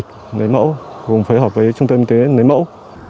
cùng phối hợp với trung tâm y tế nền mẫu